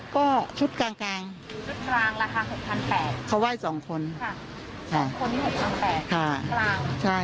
ของน้องเขาคือเป็นคอมโบ้เลยไหม